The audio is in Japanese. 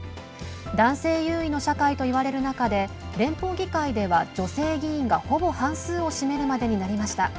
男性優位の社会といわれる中で連邦議会では、女性議員がほぼ半数を占めるまでになりました。